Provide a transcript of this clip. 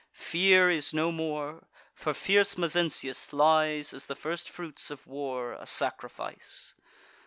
Fear is no more, for fierce Mezentius lies, As the first fruits of war, a sacrifice.